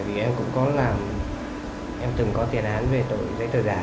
vì em cũng có làm em từng có tiền án về tội giấy tờ giả